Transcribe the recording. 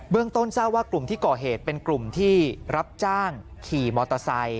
ต้นทราบว่ากลุ่มที่ก่อเหตุเป็นกลุ่มที่รับจ้างขี่มอเตอร์ไซค